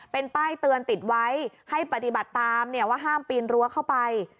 เป็นป้ายเตือนติดไว้ให้ปฏิบัติตามว่าห้ามปีนรั้วเข้าไป